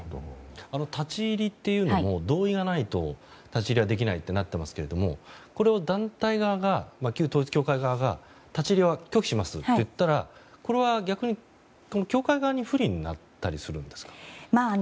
立ち入りというのも同意がないと立ち入りできないとなっていますけどもこれを団体側が旧統一教会側が立ち入りは拒否しますと言ったらこれは、逆に、教会側に不利になったりするんですか。